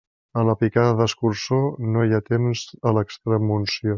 A la picada d'escurçó, no hi ha temps a l'extremunció.